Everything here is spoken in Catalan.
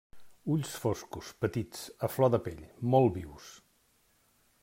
Ulls foscos, petits, a flor de pell, molt vius.